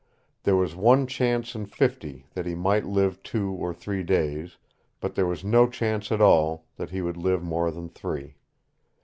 There was one chance in fifty that he might live two or three days, but there was no chance at all that he would live more than three.